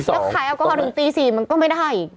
แล้วขายแอลกอฮอลถึงตี๔มันก็ไม่ได้อีก